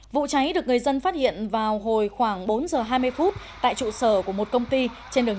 vụ cháy được người dân phát hiện vào hồi khoảng bốn giờ hai mươi phút tại trụ sở của một công ty trên đường